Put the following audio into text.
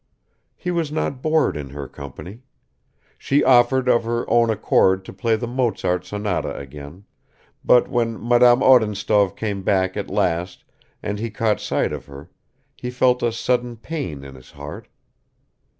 He was not bored in her company. She offered of her own accord to play the Mozart sonata again; but when Madame Odintsov came back at last and he caught sight of her, he felt a sudden pain in his heart